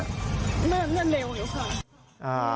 ไม่เร็วอยู่ค่ะ